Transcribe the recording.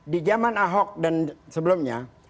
di zaman ahok dan sebelumnya